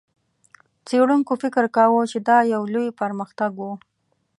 څېړونکو فکر کاوه، چې دا یو لوی پرمختګ و.